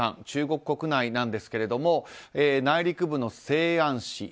中国国内なんですけれども内陸部の西安市